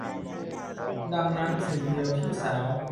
ดังนั้นสิ่งเดียวที่สาว